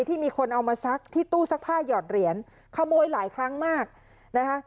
ที่มีคนเอามาซักที่ตู้ซักผ้าหยอดเหรียญขโมยหลายครั้งมากนะคะ